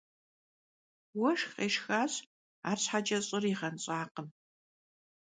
Уэшх къешхащ, арщхьэкӏэ щӏыр игъэнщӏакъым.